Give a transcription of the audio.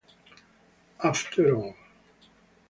After All